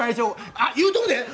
あっ言うとくで！